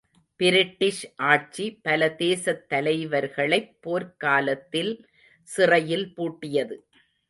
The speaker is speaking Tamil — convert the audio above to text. பிரிட்டிஷ் ஆட்சி பல தேசத் தலைவர்களைப் போர்க்காலத்தில் சிறையில் பூட்டியது.